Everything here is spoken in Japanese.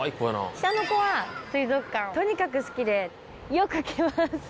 下の子は水族館とにかく好きでよく来ます。